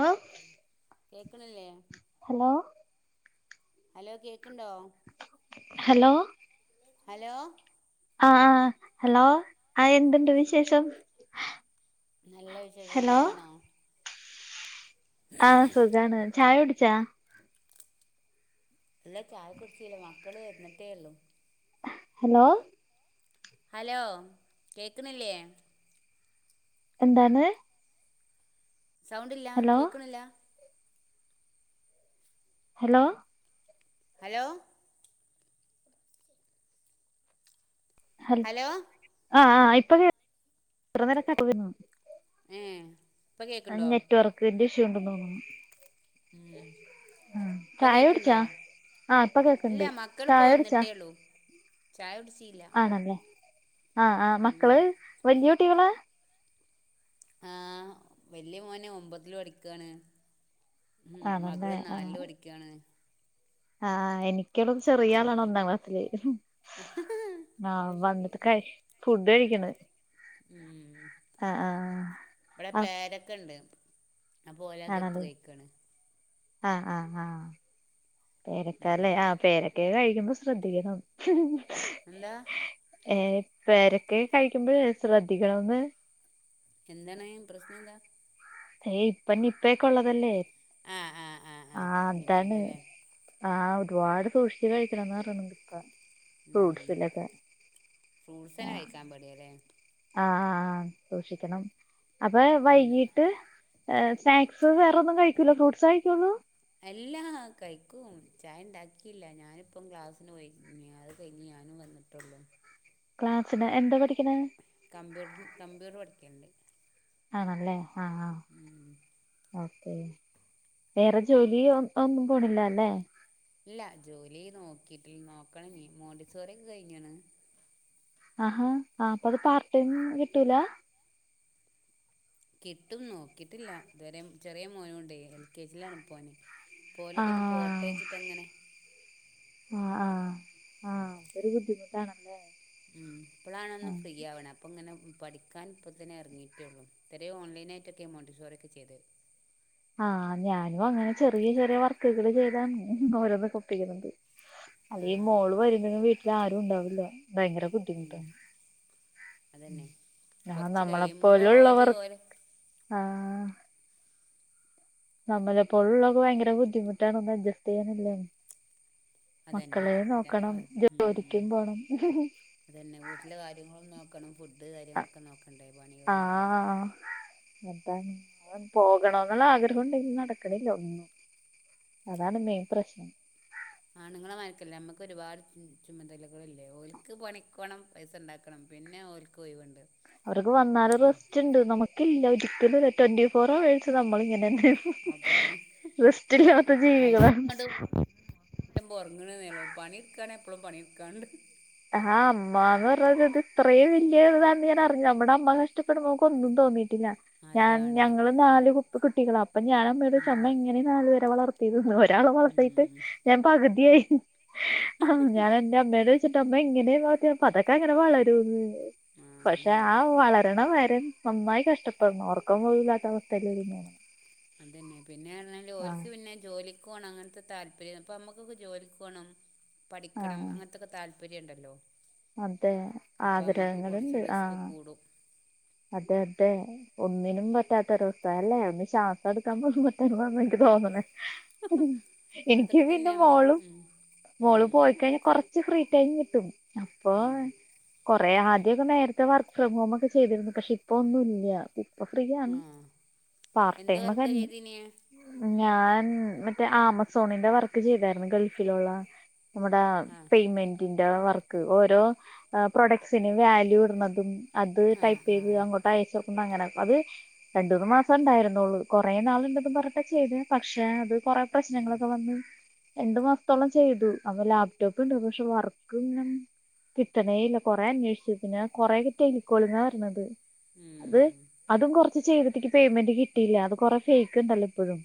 ഔ കേക്കണില്ലേ? Hello. Hello കേക്ക്ണ്ടോ? ഹലോ. ഹലോ. ആഹ് ആഹ് ഹലോ ആഹ് എന്തുണ്ട് വിശേഷം? നല്ല വിശേഷം ഹലോ സുകാണോ? ആഹ് സുഖാണ് ചായാകുടിച്ചാ? ഇല്ല ചായ കുടിച്ചിലാ മക്കള് വെരിന്നിട്ടേ ഉള്ളു. ഹലോ. ഹലോ കേക്ണില്ലേ? എന്താണ്? സൗണ്ട്ല്ല ഹലോ കേക്ണില്ല? ഹലോ ഹലോ ഹലോ ആഹ് ആഹ് ഇപ്പൊ ഇറനിരക്കട്ട ഏഹ് അഹ് നെററ്റ് വർക്കിന്റെ ഇഷ്യു ഉണ്ട്ന്ന് തോന്നുന്നു ആഹ് ഇപ്പൊ ചായ കേക്കുണ്ടോ കുട്ച്ചാ ആഹ് ഇപ്പ കേക്ണ്ട് ചായ കുട്ച്ചാ ചായട് ആണല്ലേ ആഹ് ആഹ് ഉം മക്കള് വല്ല്യ കുട്ടികളാ? ആഹ് വല്ല്യ മോന് ഒമ്പതില് പടിക്കാണ് ഉം മകള് നാല് പഠിക്കാണ് ആഹ് എനിക്ള്ളത് ചെറിയ ആളാണ് ഒന്നാം ക്ലാസ്സില് ആഹ് അത് ശരി വന്ന്ട്ട് കയ് ഫുഡ് കഴിക്ണ് ഉം ആഹ് ആഹ് അക് അപ്പൊ ഓലത് ഇട്ത്ത് കഴിക്കാണ് ആഹ് ആഹ് ആഹ് പേരക്ക ഉം ല്ലേ ആഹ് പേര ഹേ ക്കയിക്കുമ്പം ശ്രേദ്ധിക്കണം എന്താ ഏഹ് പേരക്കെ കഴിക്കുമ്പോഴെ ശ്രദ്ധിക്കണം ഒന്ന് എന്താണ് പ്രശ്നം എന്താ അയയ് ഇപ്പന്ന ഇപ്പേക്കള്ളതല്ലേ ആ ആ ആ ആ ആഹ അതാണ് നിപ്പൻ്റെ അല്ലേ ആ ഒരുപാട് സൂക്ഷിച്ചച്ച് കഴിക്കണംന്ന പററണം കിത്ത ഫ്രൂട്ട്സിലൊക്കെ ഫ്രൂട്ട്സ് തന്നെ ആഹ കഴിക്കാൻ പേടിയല്ലേ ആഹ് ആ ആഹ സൂക്ഷിക്കണം അപ്പൊ എന്താ വൈകീട്ട് സ്നാക്സ് വേറെൊന്നും കഴിക്കലോ ഫ്രൂട്ട്സ് കഴിക്കുള്ളൂ എല്ലാ കഴിക്കും ചായണ്ടാക്കിയില്ല ഞാനിപ്പം ക്ലാസ്സിന് പോയി അത് കഴഞ്ഞ ഞാനും വന്നിട്ടുള്ളൂ ക്ലാസ്സിന് എന്താ പഠ കമ്പമ്പ്യൂട്ടർ കമ്പമ്പ്യൂട്ടർ പഠക്കണ്ട് ആണല്ലേ ആഹ ഉം ഓക്കേ വേറെ ജോലി ഒന്നും പോണില്ല അല്ലേ ഇല്ല ജോലി നോക്കിട്ട നോക്കണ നീ മോണ്ടീിച്ചോറക്കെ കഴിഞ്ഞാണ് ആഹാ ആ് അപ്പ അത് പാർട്ടിയും കിട്ടൂല കിട്ടും നോക്കിയിട്ടില്ല ഇതുവരെ ചെറിയ മോനുണ്ട് എൽ കെ ജയിലാണ് പോന്െ പോലൊക്കെ ഒന്ന് ആഹ് പോട്ടേച്ചിട്ട എങ്ങനെ ആഹ് ആഹ് ആഹ ഒരു ബുദ്ധിമുട്ടാണല്ലേ ഉം ഇപ്പോളണ ഒന്ന് ഫ്രീ ആവണ അപ്പൊ ഇങ്ങനെ പഠിക്കാൻ ഇപ്പൾ തന്നെ ഇറങ്ങിയിട്ടേള്ളൂ ഇത്രയേ ഓൺലൈനായിട്ടൊക്കെ മോണ്ടിസോറ ഒക്കെ ചെയ്തത് ആഹ ഞാനും അങ്ങനെ ചെറിയ ചെറിയ വർക്കുകള് ചെയ്താണ് ഓരോന്ന് കൊപ്പിക്കുന്നത് അല്ല ആഹ് മോള് വരുന്തെങ്കും വീട്ടിൽ ആരും ഉണ്ടാവില്ല ഭയങ്കര ഉം ബുദ്ധിമുട്ടാണ് അതന്നെ കൊറച്ച് കഴിയുമ്പോ ഓല് ഓലെ ആഹ നമ്മളലെപ്പോൊൾള്ളൊക്കെ ഭയങ്കര ബുദ്ധിമുട്ടാനൊന്നും അഡ്ജസ്റ്റ് ചെയ്യാനില്ലേ അതന്നെ ജോലിക്കും പോണം അതന്നെ വീട്ടിലെ കാര്യങ്ങളൊന്ന നക്കണം ഫുഡ് കാര്യങ്ങളൊക്കെ നോക്കണ്ടേ പണികൾ വേറെ എന്താണ്ൻ പോകണ എന്നുള്ള ആഗ്രഹം ഉണ്ടെങ്കും നടക്കണല്ലോ ഇ അതാണ് മെയിൻ പ്രശ്നം ആണുങ്ങളെ മരരിക്കല്ലേ നമ്മുക്ക് ഒരുപാട് ചുമതലകളല്ലേ ഓലക്ക് പണിക്കോണം പൈസ ഉണ്ടാക്കണം പിന്നെ ഓൽക്ക്‌ ഒഴിവ് ഉണ്ട് ഇല്ല ഒരിക്കലും ഇല്ലട്വന്റി ഫോർ അവേഴ്സ് നമ്മള് ഇങ്ങനെന്നെ അതന്നെ റസ്റ്റില്ലാത്ത ജീവികളാണ് ട്ടുബൊ ഒറങ്ങ്ണോന്നൊള്ളു പണിർക്കാ എപ്പളും പണിർക്കാണ്ട് ആ അമ്മാ എന്ന് പറഞ്ഞത് ഇത് ഇത്രേ വല്യ ഇതാണന്ന് ഞാൻ അറിഞ്ഞു നമ്മടെ അമ്മ കഷ്ടപ്പെടമ്പോ നമുക്ക് ഒന്നും തോന്നില്ല ഞ അതാണ് ഞങ്ങള് നാല് കുട്ടികള അപ്പൊ ഞാൻ അമ്മയോട് ഉം ചോയ്ച്ചു എങ്ങനെ നാല് വളർത്തിയത് ഒരാെ ഉം വളർത്തിയിട്ട് ഞാൻ പകുതിയായി ഹ ഞാൻ എന്റെ അമ്മയോട് ചോ യിച്ചിട്ട് അമ്മ എങ്ങനെ വളർത്തി അപ്പ അതൊക്കെ അങ്ങന വളരൂന്ന് ആ പക്ഷെ അതന്നെ ആ വളരണമായി നന്നായി കഷ്ടപ്പെടണം ഉറക്കം പോലും ഇല്ലാത്ത അവസ്ഥയില ന്നെയാണ് അതന്നെ പിന്നെ പറഞ്ഞാല് ഓൽക്ക് പിന്നെ ജോലി ക്കോണം അങ്ങനത്തെ താല്പര്യം ഇപ്പൊ നമ്മക്കൊക്കെ ജോലിക്ക് പോണം പഠിക്കണം ആ അങ്ങനത്തൊക്കെ താല്പര്യം പര്യം ഉണ്ടല്ലോ അതെ അപ്പൊ നമ്മക്ക് കുറച്ച് ആഗ്രഹങ്ങളുണ്ട് ആ റിസ്ക് കൂടും അതെ അതെ ഒന്നിനും പറ്റാത്തരു അ വസ്ഥ അയന്നെ ഒന്ന് ശ്വാസം എടുക്കാൻ പോലും പറ്റാ [unintelligible] എനിക്ക് അതൊക്കെ തന്നെ പിന്നെ നമ്മള് മോളും ഉം മോള് ഉം പോയിക്കഴിഞ്ഞാൽ കൊറച്ച് ഫ്രീ കഴിഞ്ഞിട്ടും അപ്പൊ ഉം കൊറേ ആദ്യക്കെ നേരത്തെ വർക്ക് ഫ്രം ഹോം ഒക്കെ ചെയ്തിരുന്നു പക്ഷെ ഇപ്പ ഒന്നുംഇല്ല ഇപ്പ ഫ്രീയാണ് ആഹ് പാർട്ട് എന്ത് ടൈമ വർക്കാ ചെയ്തീനെ [unintelligible] ഞാൻ മറ്റേ ആമസോണിന്റെ വർക്ക് ചെയ്തായിരുന്നു ഗൾഫിലുള്ള നമ്മുടെ ആഹ് പേയ്മെന്റി വർക്ക് ഓരോ പ്രൊഡക്സിനു വാല്യു ഇടുന്നതും അത് ടൈ ആഹ് ആഹ് ഇങ്ങോട്ട് അയചോക്കുമ്പോ അങ്ങനെ അത് രണ്ടൂമുന്ന് മാസം ഉണ്ടായിരുന്നുള്ളൂ. കുറേ നാള് ഉണ്ടെന്ന് പറഞ്ഞട്ട ചെയ്ത് പക്ഷെ പക്ഷെ അത് കൊറേ ഉം പ്രശ്നങ്ങളൊക്കെ വന്ന് രണ്ടു മാസത്തോളം ചെയ്തു അപ്പൊ ലാപ്ടോപ്പ് ഇണ്ട് പക്ഷെ വർക്ക് ഇങ്ങനെ കിട്ടണേല്ല കൊറേ അന്വേഷിച്ചോക്കി ഞാൻ കൊറേ ടെലി കോളി ണത് ഉം അത് അതും കുറ ചെയ്തിട്ട് പേയ്മെന്റ് കിട്ടീല്ല അത് കൊറേ ഫേക്ക് ഉണ്ടല്ലോ ഇപ്പഴും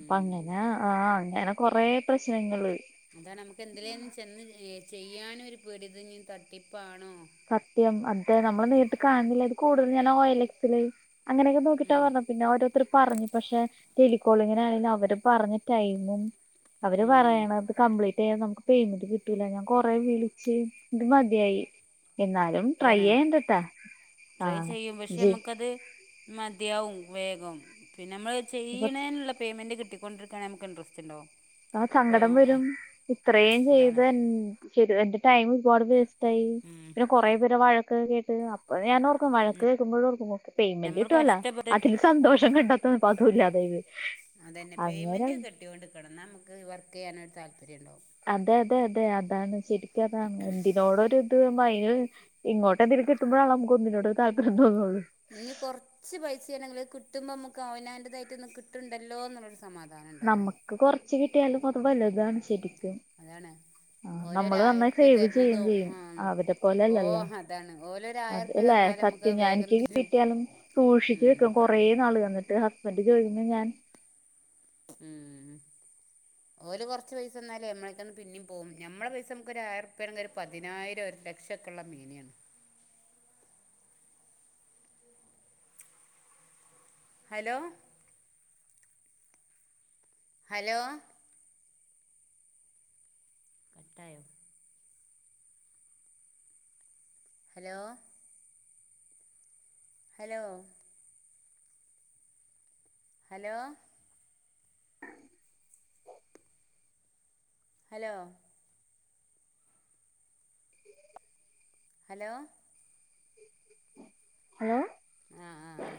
അപ്പ അങ്ങനെ ആ അങ്ങനെ കൊറേ പ്രശ്നങ്ങള് അതാ നമുക്ക് എന്തിലേലും ചെന്ന് ചെയ്യാനും ഒരു പേടി ഇത് ഞ്ഞി തട്ടിപ്പാണോ സത്യം അത് നമ്മള് നേരിട്ട് കാണുന്നില്ല ഇത് കൂടുതൽ ഞാൻ ഓയലക്സില് അങ്ങനെയൊക്കെ നോക്കിട്ടാ ഉം പറഞ്ഞു പിന്നെഓ പറഞ്ഞു പക്ഷെ ടെലികോളിങ്ങി നായാലും അവര് പറഞ്ഞ ടൈമും അവര് ഉം പറയണത് കംപ്ലീറ്റ് മറ്റേ നമുക്ക് പേയ്മെന്റ് കിട്ടൂല ഞാൻ കൊറേ വിളിച്ച് ഇത് മതിയായി എന്നാലും ട്രൈ അതാണ് ചെയ്യേണ്ടട്ടാ ആ ട്രൈ ചെയ്യും പക്ഷെ ജി നമുക്കത് മതിയാവും വേഗം പിന്നെ നമ്മള് അപ്പൊ ചെയ്യിണീനില്ലേ പേയ്മെന്റ് കിട്ടി കൊണ്ടടക്കാൻ നമക്ക് ഇൻറസ്റ്റ് ഇ ണ്ടോ ആ സങ്കടം വരും ഇത്രയും അതാണ് ചെയ്ത് ശ എന്റെ ടൈം ഒരുപാട് വേസ്റ്റ് ത്തായി ഉം പിന്നെ കുറേ പേരുടെ വഴക്ക്‌ കേട്ട് അപ്പൊ ഞാൻ ഓർക്കും വഴക്ക് കേൾക്കുമ്പോഴ ഓർക്കും നോക്കെ പേയ്മെന്റ് നമ്മള് കിട്ടോല്ലൊ കഷ്ടപ്പെട്ട് അതില് സന്തോഷം കണ്ടത്ത ഇപ്പൊ അതും ഇല്ലാതായി അതന്നെ അങ്ങനെ പേയ്മെന്റ് കിട്ടോണ്ടിക്കണം നമുക്ക് വർക്ക് ചെയ്യാന ഒരു താല്പര്യം ഉണ്ടാവും അതെ അതെ അതെ അതാണ് ശരിക്കതാണ് എന്തിനോടൊ ഒരു ഇത്മായി ഇങ്ങോട്ട എന്തെങ്കും കിട്ടുമ്പോഴാണ് നമുക്ക് ഒന്നിനോട് ഒരു താല്പര്യം തോന്നുള്ളൂ ഇനി കുറച്ച് പൈസയാണങ്കിലും കിട്ടുമ്പോ നമ്മുക്ക് അവനാന്റായിട്ട് ഒന്ന്‌ കിട്ടുണ്ടല്ലോ സമാധാനം ഉണ്ടാവേ നമുക്ക് കൊറച്ച് കിട്ടിയാലും അ തുവലുതാണ് ശരി അതാണ് ഓല് ഒര് ആയിരം നന്നായി ഉർപ്പി സേവ് ചെയ്യുകയും തരുന്നതോ ചെയ്യും ആ അവരെ പോലെ ഓ അല്ലല്ലോ അതാണ് ഓല് ഒര് ആയിരം ഉർപ്പി അതല്ലേ തന്ന സത്യം ഞാൻ എനിക്ക് കിട്ടിയാലും സൂക്ഷിച്ചു ഉം വെക്കും കൊറേ നാള് വന്നിട്ട് പണ്ട് ചോയ്ക്കുമ്പോ ഞാൻ ഉം ഒരു കുറച്ച് പൈസന്നാലും നമ്മക്കന്ന് പിന്നേ പോവും ഞമ്മടെ പൈസ നമുക്ക് ഒരു ആയിംുപണങ്ക ഒരു പതിനായിരം ലക്ഷമ ഒക്കെയുള്ള മീനിയാണ് അ ഹലോ ഹലോ കട്ടോ hello hello hello hello hello ആഏ ആ ആ ആ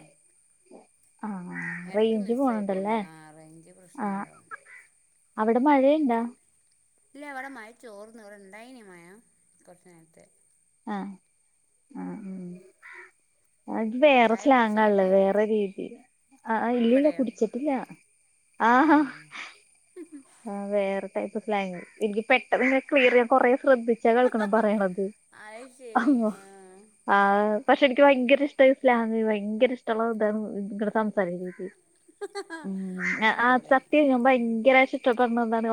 എടക്ക് മിസ്സായി പോണ്ട്േ ആ റേഞ്ച് ആ പ്രശ്ന ഇണ്ടാവും അവിടെ മഴയുണ്ടാ ഇല്ല അവിടെ മഴ ചോർന്ന് ഇവിടെ ഇണ്ടായിന മഴം കൊറച്ചുന നേരത്തെ ആഹ ആഹ ഉ അത് വേറെ ചായ കുടിച്ചോ സ്ലാങ്ങല്ലേ ന്നിട്ട് വേറെ രീതി ആ ഇല്ലല്ല ഇവിടെയോ കുടിച്ചിട്ടില്ല ആഹ ഉം ആ വേറെ ടൈപ്പ്്ലാ എനിക്ക് പെട്ടെന്ന്െ ക്ലിയർൻറേ ശ്രദ്ധിച്ച കേൾക്കണം പറയണത് അത് അോ ശരി ആ ആ പക്ഷെ എനിക്ക് ഭയങ്കര ഇഷ്ട ഇസ്ലാമ ഭയങ്കര ഇഷ്ടമുള്ള ഇത ഇ സംസാരിക്കച്ചക്ക് ഉ ആ അതടിപൊളിയായി സത്യവശ ഉം ഭയങ്കരശ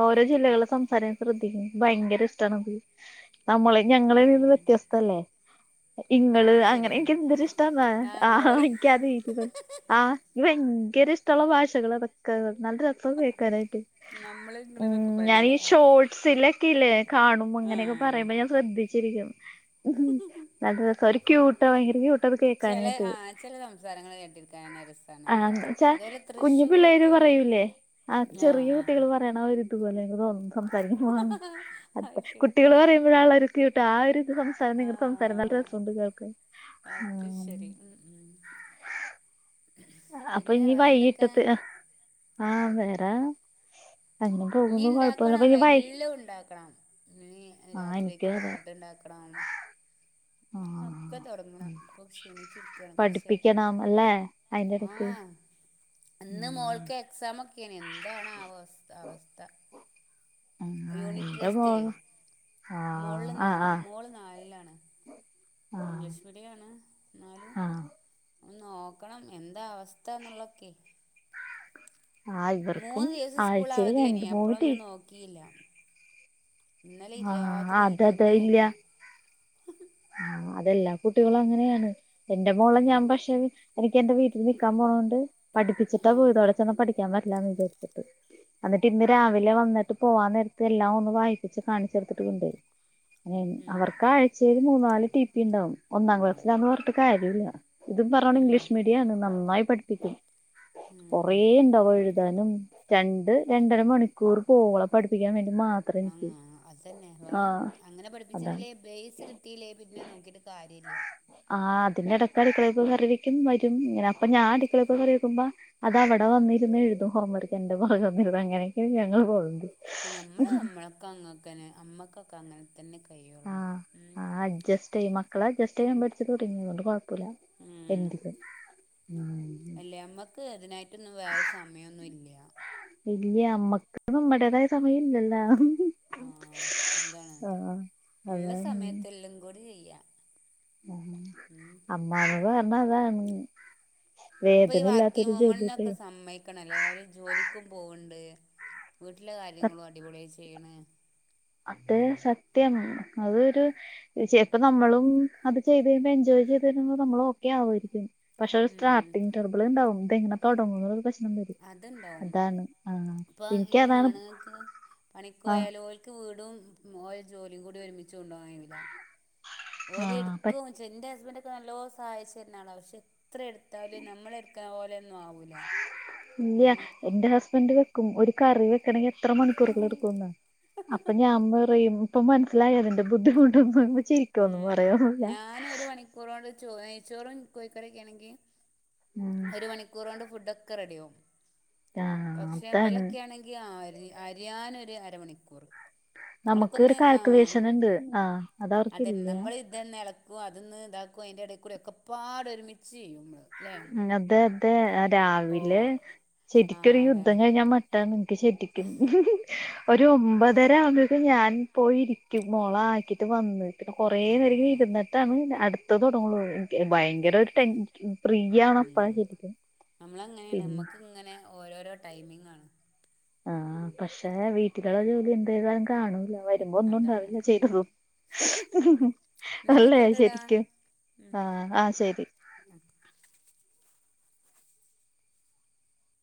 ഓരോ ജില്ലകളെ സംസാരൻ ശ്രദ്ധിക്കും ഭയങ്കര ഇഷ്ടണത് നമ്മളെ ഞങ്ങള ആ നിന്ന് വ്യത്യാസതല്ലേ ആ ഇങ്ങള് അത് അങ്ങനെ ശരിയാ എനിക്ക് എന്തൊും ഇഷ്ടംന്നാ ആ ഇങ്ങള് ആഹ പറയും എനിക്കാത് രീതി ആഹ ഭയങ്കര ഇഷ്ടമുള്ള ഭാഷകൾ തക്കക നല്ല രക്ക കേക്കാനായിട്ട് നമ്മള് ഉം ഇങ്ങള്ന്നൊക്കെ പറയണല്ലേ ഞാാനീഈ ആ ഷോർട്്സിലൊക്കെ ഇല്ലേ കാണ്പോ അങ്ങനെയൊക്കെ പറയുമ്പോ ഞാൻ ശ്രദ്ധിച്ചിരിക്കും ഉ നല്ല സൊരുക്കി ഊട്ടാ വങ്ങിരരിക്ക ചില ആ ചില സംസാരങ്ങൾ കേട്ടിരിക്കാൻ രസമാണ് അതുപോലെ തൃശ്ശൂരക്കെ പിന്നെ ആ ചെറിയ കുട്ടികളുവാ- പറ ഇതുപലെോ സംസാരിക്ക അത് ശരി കുട്ടികള് പറയുമ്പോഴ ആ കട്ട് ആ ഒരു ഇത് സംസാര നിങ്ങ സംസാര നല്ല ആഹ് രസമുണ്ട് കേൾക്ക് ആ അത് [inaudible] ശരി ഉം ഉം അപ്പൊ പിന്നെ ഇനി വേറെന്തൊക്കെ വൈകിട്ടത്ത് ആഹ വേറെ അങ്ങനെ നീ പോകുന്നു കൊഴപ്പൊന്നുല്ല അപ്പൊ ഇണ്ടാക്കണം ഇനി വൈ എല്ലാം ഉണ്ടാക്കണം ഇ ആ എനിക്കും രാത്രിേക്കുള്ള അതെ ഫുഡ് ഉണ്ടാക്കണം [inaudible] ഒക്കെ തുടങ്ങണം ഇപ്പൊ ക്ഷീണിച്ചിരിക്കണം കുറച്ചായിട്ടെ അയിന്റെടുത്ത് അന്ന് മോൾക്ക് എക്സാമ ഒക്കെയാണ് എന്താണ് ആ അവ അവസ്ഥ യൂണിറ്റ് എന്റെ രസ്റ്റേ മോൾ ആഹ് മോള് ന ആഹ് ആഹ് മോള് നാലിലാണ് ഇംഗ്ലീഷ് മീഡിയംണ് ആഹ നോക്കണം എന്താ അവസ്ഥന്നുള്ളക്കെ ആഹ് ഇവർക്കും മൂന്ന്ു ദിവസം സ്കൂൾ ആഴ്ചയിൽ രണ്ട് ആവതിയന മൂന്ന് ടീ അപ്പഴൊന്നും നോക്കിയില്ല ഇന്നലെ ആഹ് രാത്രി ഇരുന്ന് നോക്കി ആ അതെല്ലാ കുട്ടികളും അങ്ങനെയാണ് എന്റെ മോളെ ഉം ഞാൻ പക്ഷെ എനിക്ക് എന്റെ വീട്ടിൽ നിൽക്കാൻ പോകത് കൊണ്ട് പഠിപ്പിച്ചിട്ടാ ആഹ് പോയി ഇതോളടെ ചെന്നാ പഠിക്കാൻ പറ്റാ എന്ന് വിചാച്ചിട്ട് എന്നിട്ട് ഇന്ന് രാവിലെ വന്നിട്ട് പോവാന്ന നേരത്ത് എല്ലാം ഒന്ന് വായിപ്പിച്ച് കാണിച്ചേർത്തിട്ട് കൊണ്ട അ ഉം അവർക്ക് ആഴ്ചയില് മൂന്ന നാല് ടി പി ഉണ്ടാാവും ഒന്നാം ക്ലാസ്സിലാന്ന് പറഞ്ഞട്ട് കാര്യമില്ല ഇതും പറയണം ഉം ഇംഗ്ലീഷ് മീഡിയ നന്നായി പഠിപ്പിക്കും ഉം കൊറേ ഉണ്ടാവുംഴു ും രണ്ട് രണ്ടര മണിക്കൂർ പോകള പഠിപ്പിക്കാൻ വേണ്ടി മാത്രം ആ എനിക്ക് അത്തന്നെ വേണം ആഹ് അങ്ങനെ അതാണ് പഠിപ്പിച്ചെങ്കിലേ ബേസ് കിട്ടീല്ലേ പിന്നെ നോക്കിട്ട് കാര്യല്ല ടക്ക അടിക്കളൊക്ക് കറിവിക്കും വരുംങ്ങനെ അപ്പൊ ഞാൻ അടുക്കളൊക്കെ കറിവിക്കക്ക്പോ അത് അവിടെ വന്നിരുന്നുന്ന് എഴുതു ഹോംവർക്ക് എന്റെ ഭഗം നിടും അങ്ങനെയൊക്കെ ഞങ്ങൾ പോകുന്നുണ്ട് നമ്മമ്മളക്കങ്ങക്കെ അമ്മക്കൊക്കെ അങ്ങനെ തന്നെ ക ആഹ് ആ അ്ജസ്റ്റ് ചെയ്യ മക്കള അ്ജസ്റ്റ് ചെയൻ പിച്ച കൊണ്ട് പ്പല ഉം എന്ക്കും ഉ മൊന്ന വേറെ സമയമൊന്നുമ ഇല്ല വല്യ അമ്മക്ക് നമ്മടേതായ സമയം ഇല്ലല്ലോ ആഹ എന്താണ് ആഹ് ഉള്ള സമയത്തെല്ലും കൂടി ചെയ്യാം ഉ അമ്മ അവാ എന്നണതാ അപ്പൊ ഈ വർക്കിംഗ വുമണിനൊക്കെ സമ്മയിക്കണ അല്ലേ അവര് ജോലിക്കും പോവണ്ട് വീട്ടിലെ കാര്യങ്ങളും അടിപൊളി ചെയ്യണ അത സത്യം അതൊരുപ്പ നമ്മളും അത് ചെയ്ത് കഴിയുമ്പോ എൻജോയ് ് നമ്മൾ ക്കെ ആരിക്കും പക്ഷെ ഒരു ഉം സ്റ്റാർട്ടി് ടബിൾ ഉണ്ടാവും ഇതെങ്ങനെ തുടങ്ങ അതാണ് ആ ഇപ്പം ഈ എനിക്കതാണ് ആണുങ്ങൾക്ക് ആ പണക്ക്പോയാലും ഓല്ക്ക് വീടും ഓല ജോലിയും കൂടി ഒരുമിച്ച് കൊണ്ടോകാൻ കഴിയൂല ആ ഓലെ എടുക്ക എന്റെ ഹസ്ബൻഡ ല്ലോ സഹായിച്ചുരുന്നളാ പക്ഷെ എത്ര എടുത്താലും നമ്മള എടുക്കുന്ന പോലെന്നും ആവൂല പറ്റില്ല ഉ എന്റെ ഹസ്ബൻഡ് വെക്കും ഒരു കറി വെക്കണമെങ്കിൽ എത്ര മണിക്കൂറുകൾ എടുക്കുംന്ന് അപ്പൊ ഞാൻ പറയും അപ്പൊ മനസ്സിലായി അതിന്റെ ബുദ്ധിമുട്ടൊന്നും ചിരിക്കോന്നും പറയന്നില്ല ച്ചോറും കോഴിക്കോറൊക്കെ ആണെങ്കിൽ ഉം ഒരു മണിക്കൂറ കൊണ്ട് ഫുഡ റെഡിയാകും ആ പക്ഷെ അതാണ് ബലക്കെണെങ്ക അരിയാനൊരു അരമണിക്കൂർ നമുക്ക് ഒരു അതൊക്കൊന്ന് ആ കാൽകുലേഷനുണ്ട് ആഹ അതവർക്കില്ല അതിന്ന് ഇതാക്കും അതിന്റെ ഇട കൂടെ ഒക്കെപാട് ഒരുമിച്ചിയ്യും നമ്മള് അതെ അതെ ഓ രാവിലെ ആ ശരിക്കൊരു അതാണ് യുദ്ധം കഴിഞ്ഞാൽ മട്ട ശരിക്കും ഒരു ഒമ്പതര ആവുമ്പോക്കക്ക് ഞാൻ പോയിരിക്കും മോളാ ആക്കിട്ട് വന്ന് പിന്നെ കുറേ ആ നേരം ഇരുന്നിട്ടാണ് അടുത്ത തുടങ്ങുള്ള ഭയങ്കര ഒരു ടെൻഷ ഉ നമ്മളങ്ങനെയാണ് പിന്നെ നമ്മക്ക് ഇങ്ങനെ ഓരോരോ ടൈമിംഗണ് ആഹ പക്ഷെ വീട്ടിലുള്ള ജോലി എന്ത ചെയ്താലും കാണൂല വരുമ്പോ അതാണ് ഒന്നുംണ്ടാവില്ല ചെയ്തതും എന്നാ അല്ലെ ആയിക്കോട്ടെടാ ശരിക്കും ഉം ആഹ ആഹ ശരി